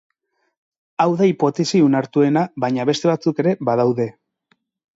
Hau da hipotesi onartuena baina beste batzuk ere badaude.